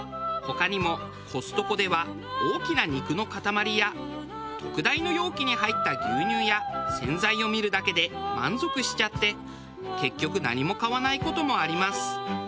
他にもコストコでは大きな肉の塊や特大の容器に入った牛乳や洗剤を見るだけで満足しちゃって結局何も買わない事もあります。